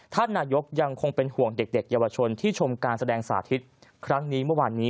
ท่านนายกยังคงเป็นห่วงเด็กเยาวชนที่ชมการแสดงสาธิตครั้งนี้เมื่อวานนี้